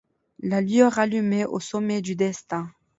La lueur allumée au sommet du destin.